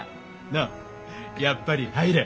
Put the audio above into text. のうやっぱり入れ。